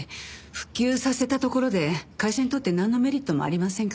復旧させたところで会社にとってなんのメリットもありませんから。